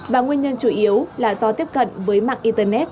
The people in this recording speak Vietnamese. và nguyên nhân chủ yếu là do tiếp cận với mạng internet